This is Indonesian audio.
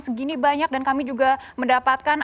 segini banyak dan kami juga mendapatkan